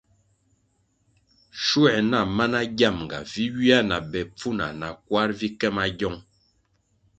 Schuer na mana giamga vi ywia na be pfuna na kwar vi ke magiong.